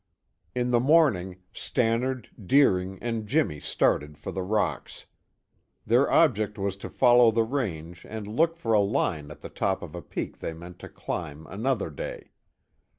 In the morning, Stannard, Deering and Jimmy started for the rocks. Their object was to follow the range and look for a line to the top of a peak they meant to climb another day.